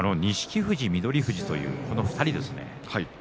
富士に翠富士というこの２人ですよね。